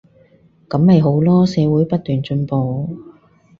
噉咪好囉，社會不斷進步